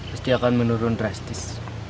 pasti akan menurun drastis